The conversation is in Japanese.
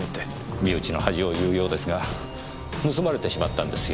身内の恥を言うようですが盗まれてしまったんですよ。